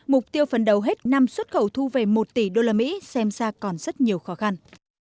mục tiêu phần đầu hết năm xuất khẩu thu về một tỷ usd xem ra còn rất nhiều khó khăn